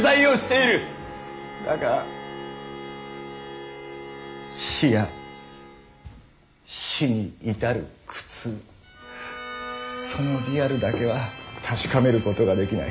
だが「死」や「死に至る苦痛」その「リアル」だけは確かめることができない。